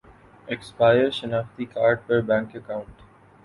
expire شناختی card پر bank account